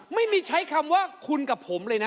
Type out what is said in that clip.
ไม่มีใช้คำว่าคุณกับผมเลยนะ